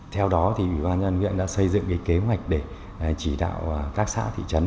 theo đó thì ủy ban dân vụ huyện đã xây dựng cái kế hoạch để chỉ đạo các xã thị trấn